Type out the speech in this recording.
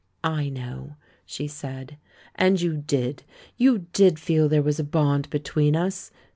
'I know," she said. 'And you did — you did feel there was a bond between us?